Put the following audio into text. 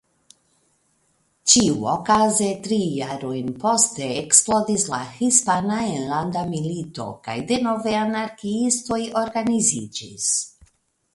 Ĉiuokaze tri jarojn poste eksplodis la Hispana Enlanda Milito kaj denove anarkiistoj organiziĝis.